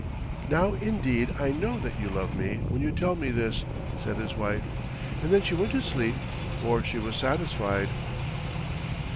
"Now indeed I know that you love me when you tell me this," said his wife. And then she went to sleep, for she was satisfied.